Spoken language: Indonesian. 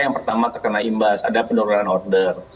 yang pertama terkena imbas ada penurunan order